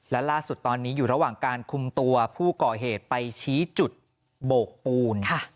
และล่าสุดตอนนี้อยู่ระหว่างการคุมตัวผู้ก่อเหตุไปชี้จุดโบกปูน